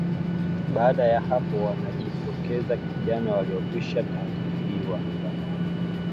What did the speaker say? Baada ya hapo wanajitokeza vijana waliokwishatahiriwa zamani